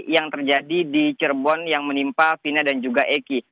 yang terjadi di cirebon yang menimpa fina dan juga eki